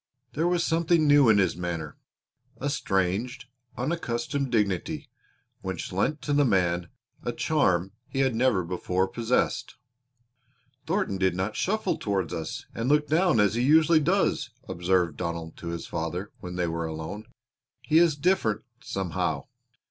There was something new in his manner a strange, unaccustomed dignity which lent to the man a charm he had never before possessed. "Thornton did not shuffle toward us and look down as he usually does," observed Donald to his father when they were alone. "He is different, somehow.